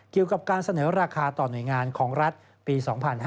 เกี่ยวกับการเสนอราคาต่อหน่วยงานของรัฐปี๒๕๕๙